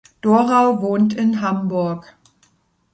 Dorau wohnt in Hamburg.